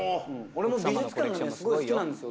俺も美術館がねすごい好きなんですよ